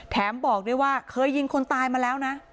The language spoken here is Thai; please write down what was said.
บอกด้วยว่าเคยยิงคนตายมาแล้วนะ